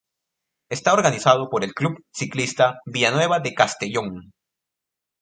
Está organizado por el Club Ciclista Villanueva de Castellón.